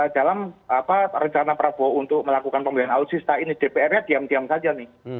dalam apa rencana prabowo untuk melakukan pembelian alutsista ini dpr nya diam diam